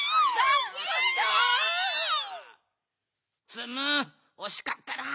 ツムおしかったな。